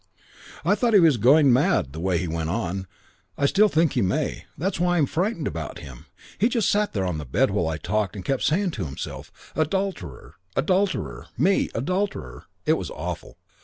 I thought he was going mad the way he went on. I still think he may. That's why I'm frightened about him. He just sat there on the bed while I talked and kept saying to himself, 'Adulterer! Adulterer! Me. Adulterer!' It was awful.